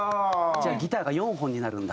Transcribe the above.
じゃあギターが４本になるんだ。